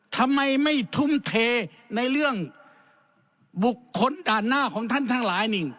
ทำไมไม่ทุ่มเทในเรื่องบุคคลด่านหน้าของท่านทั้งหลายนี่